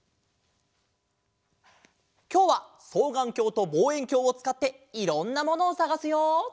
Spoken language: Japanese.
きょうはそうがんきょうとぼうえんきょうをつかっていろんなものをさがすよ！